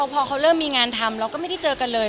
พอเขาเริ่มมีงานทำเราก็ไม่ได้เจอกันเลย